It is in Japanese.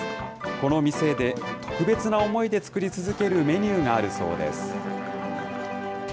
この店で特別な思いで作り続けるメニューがあるそうです。